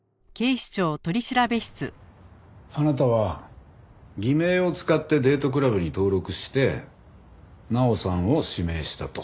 あなたは偽名を使ってデートクラブに登録して奈央さんを指名したと。